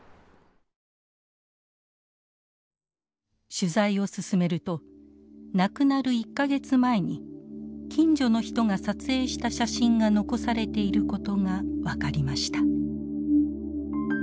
取材を進めると亡くなる１か月前に近所の人が撮影した写真が残されていることが分かりました。